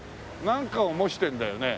なんかを模してるんだよね？